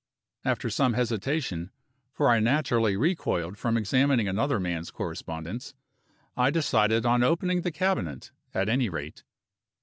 After some hesitation for I naturally recoiled from examining another man's correspondence I decided on opening the cabinet, at any rate.